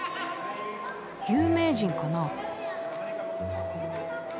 有名人かな？